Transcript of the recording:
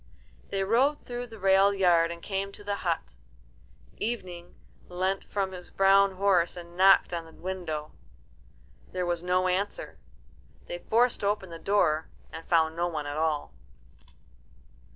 They rode through the railed yard and came to the hut. Evening leant from his brown horse and knocked on the window. There was no answer. They forced open the door, and found no one at all.